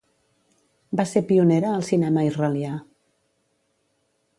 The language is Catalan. Va ser pionera al cinema israelià.